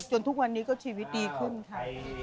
ทุกวันนี้ก็ชีวิตดีขึ้นค่ะ